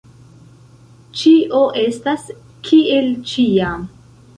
Ĉio estas kiel ĉiam.